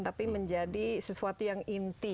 tapi menjadi sesuatu yang inti